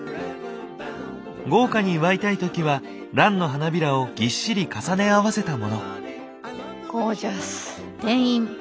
豪華に祝いたい時はランの花びらをぎっしり重ね合わせたもの。